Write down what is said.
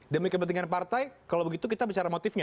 demi kepentingan partai kalau begitu kita bicara motifnya